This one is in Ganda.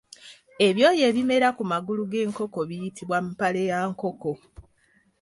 Ebyoya ebimera ku magulu g’enkoko biyitibwa mpale ya nkoko.